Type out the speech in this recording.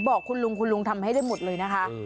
บอกคุณลุงคุณลุงทำให้ได้หมดเลยนะคะ